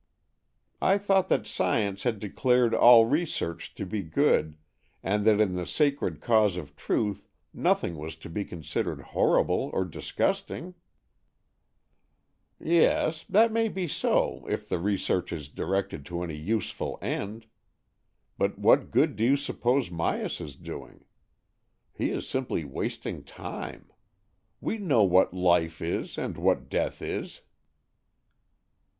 " I thought that science had declared all research to be good, and that in the sacred cause of truth nothing was to be considered horrible or disgusting ?" "Yes, that may be so if the research is directed to any useful end. But what good do you suppose Myas is doing? He is simply wasting time. We know what life is and what death is."